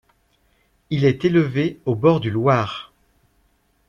Il est élevé au bord du Loir.